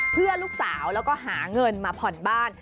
เพื่อลูกสาวแล้วก็หาเงินมาผ่อนบ้าน